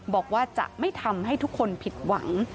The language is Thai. บอกว่าจะไม่ทำให้ทุกคนผิดหวัง